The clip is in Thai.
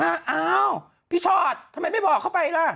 อ้าวพี่ชอตทำไมไม่บอกเข้าไปล่ะ